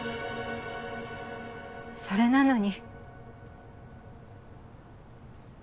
それなのに。